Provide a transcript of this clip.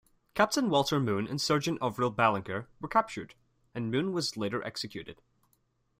Captain Walter Moon and Sergeant Orville Ballenger were captured, and Moon was later executed.